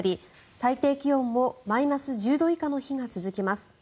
最低気温もマイナス１０度以下の日が続きます。